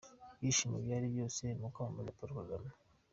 Ibyishimo byari byose mu kwamamaza Paul Kagame.